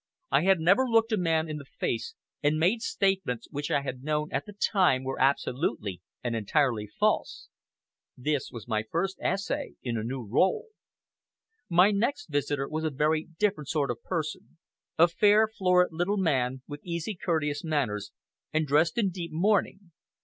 I had never looked a man in the face and made statements which I had known at the time were absolutely and entirely false. This was my first essay in a new role. My next visitor was a very different sort of person, a fair, florid little man, with easy, courteous manners, and dressed in deep mourning.